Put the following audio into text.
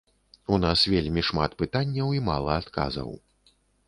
У нас вельмі шмат пытанняў і мала адказаў.